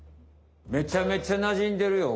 めちゃめちゃなじんでるよ。